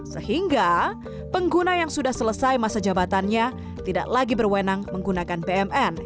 sehingga pengguna yang sudah selesai masa jabatannya tidak lagi berwenang menggunakan bmn